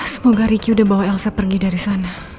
semoga ricky udah bawa elsa pergi dari sana